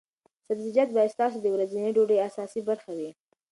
سبزیجات باید ستاسو د ورځنۍ ډوډۍ اساسي برخه وي.